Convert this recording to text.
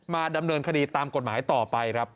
ดำเนินคดีตามกฎหมายต่อไปครับ